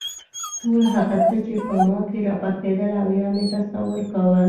ټول هغه څه چې په ما کې راپخېدل او یا مې تصور کاوه.